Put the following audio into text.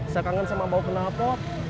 saya kangen sama bau kenal pot